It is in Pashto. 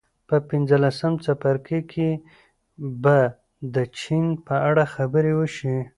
په پنځلسم څپرکي کې به د چین په اړه خبرې وشي